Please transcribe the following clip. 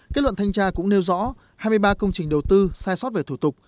kết luận thanh tra cũng nêu rõ hai mươi ba công trình đầu tư sai sót về thủ tục